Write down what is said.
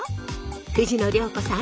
藤野涼子さん